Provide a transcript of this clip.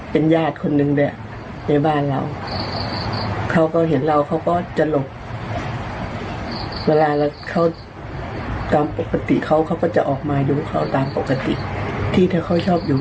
เป็นญาติคนนึงแหละในบ้านเราเขาก็เห็นเราเขาก็จะหลบ